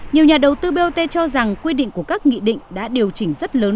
nhiều nhà đầu tư bot cho rằng quy định của các nghị định đã điều chỉnh rất lớn